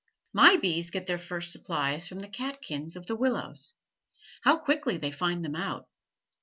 My bees get their first supplies from the catkins of the willows. How quickly they find them out.